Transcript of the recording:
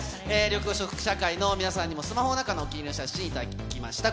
緑黄色社会の皆さんにも、スマホの中のお気に入りの写真、頂きました。